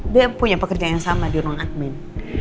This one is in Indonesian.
dia punya pekerjaan yang sama di ruang admin